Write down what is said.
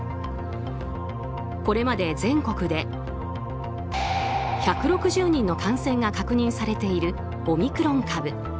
これまで全国で１６０人の感染が確認されているオミクロン株。